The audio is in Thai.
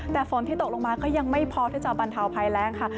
แต่ฝนที่ตกลงมาก็ยังไม่พอที่จะบรรเทาภัยแรงค่ะ